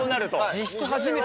実質初めて。